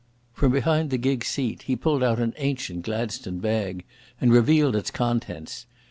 From behind the gig's seat he pulled out an ancient Gladstone bag and revealed its contents.